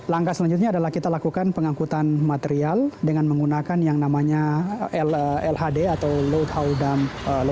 langkah selanjutnya adalah kita lakukan pengangkutan material dengan menggunakan yang namanya lhd atau load how dump